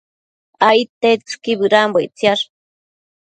Aidtetsëqui bëdambo ictsiash